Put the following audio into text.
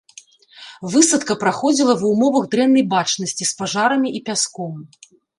Высадка праходзіла ва ўмовах дрэннай бачнасці з пажарамі і пяском.